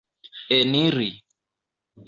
eniri